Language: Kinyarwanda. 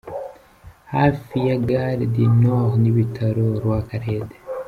Hafi ya Gare du Nord n’ibitaro Roi Khaled.